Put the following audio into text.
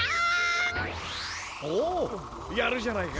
おおやるじゃないか！